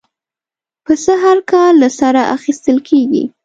پسه هر کال له سره اخېستل کېږي.